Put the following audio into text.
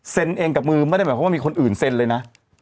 เองกับมือไม่ได้หมายความว่ามีคนอื่นเซ็นเลยนะ